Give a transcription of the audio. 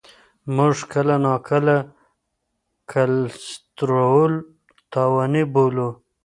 موږ کله ناکله کلسترول تاواني بولو.